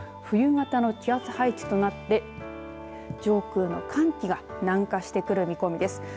冬型の気圧配置となって上空の寒気が南下してくる見込みです。